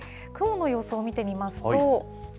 雲の様子を見てみますと。